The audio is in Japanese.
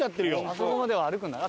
あそこまでは歩くんだな。